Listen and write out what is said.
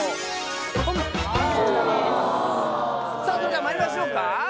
さぁそれではまいりましょうか！